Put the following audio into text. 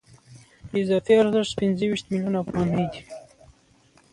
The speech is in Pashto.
اضافي ارزښت پنځه ویشت میلیونه افغانۍ دی